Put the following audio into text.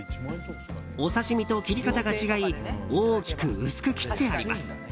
お刺し身と切り方が違い大きく薄く切ってあります。